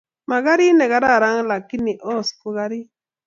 Makarit ne kararan lakin os ko karit